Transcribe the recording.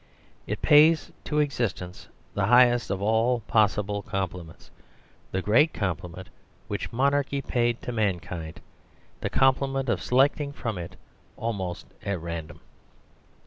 It pays to existence the highest of all possible compliments the great compliment which monarchy paid to mankind the compliment of selecting from it almost at random.